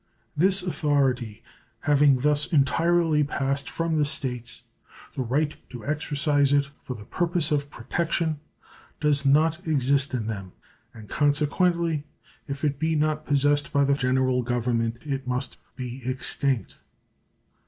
This authority having thus entirely passed from the States, the right to exercise it for the purpose of protection does not exist in them, and consequently if it be not possessed by the General Government it must be extinct.